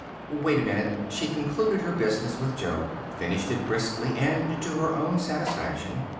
"Wait a minute." She concluded her business with Joe; finished it briskly and to her own satisfaction.